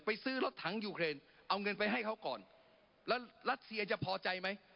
ซื้อรถถังยูเครนเอาเงินไปให้เขาก่อนแล้วรัสเซียจะพอใจไหม